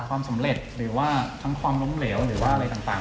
ความสำเร็จหรือว่าทั้งความล้มเหลวหรือว่าอะไรต่าง